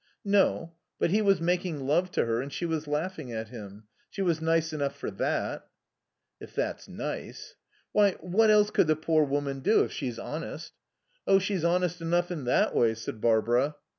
"No. But he was making love to her, and she was laughing at him. She was nice enough for that." "If that's nice." "Why, what else could the poor woman do if she's honest?" "Oh, she's honest enough in that way," said Barbara.